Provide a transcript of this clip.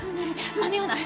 間に合わない！